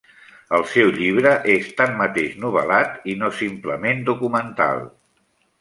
El seu llibre és tanmateix novel·lat i no simplement documental.